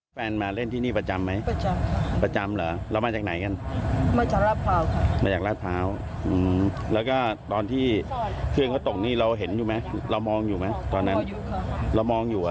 อือแล้วเครื่องก็เครื่องใหม่